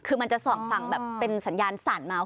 คือมันจะส่องสั่งแบบเป็นสัญญาณสั่นมา